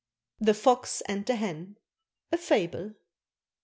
THE FOX AND THE HEN. A FABLE.